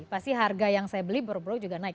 pasti harga yang saya beli baru baru juga naik